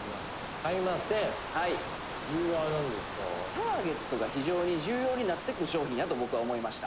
川西：「ターゲットが非常に重要になってくる商品やと僕は思いました。